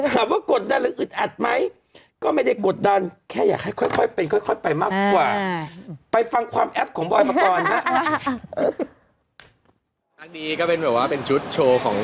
ก็ไม่ได้แต่ก็ไม่ได้กักสถานะนะเพราะในความเป็นจริง